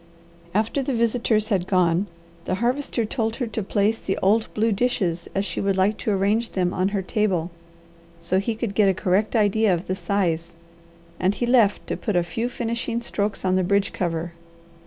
After the visitors had gone, the Harvester told her to place the old blue dishes as she would like to arrange them on her table, so he could get a correct idea of the size, and he left to put a few finishing strokes on the bridge cover.